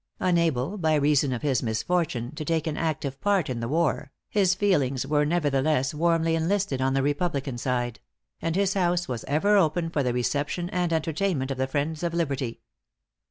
Unable, by reason of his misfortune, to take an active part in the war, his feelings were nevertheless warmly enlisted on the republican side; and his house was ever open for the reception and entertainment of the friends of liberty.